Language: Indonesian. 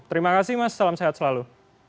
terima kasih mas salam sehat selalu